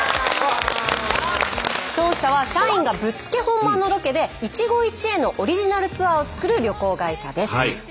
当社は社員がぶっつけ本番のロケで一期一会のオリジナルツアーを作る旅行会社です。